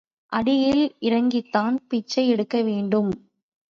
அடியில் இறங்கித்தான் பிச்சை எடுக்க வேண்டும்.